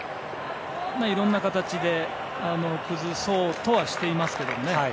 いろんな形で崩そうとはしていますけどもね。